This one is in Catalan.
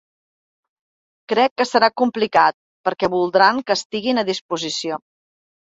Crec que serà complicat perquè voldran que estiguin a disposició